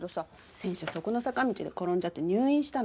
先週そこの坂道で転んじゃって入院したの。